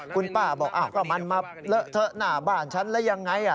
คุณป้าบอกก็มันมาเลอะเทอะหน้าบ้านฉันแล้วยังไง